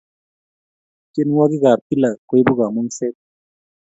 tienwokik ap kila koibu kamungset